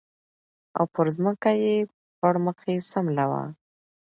او پر ځمکه یې پړ مخې سملاوه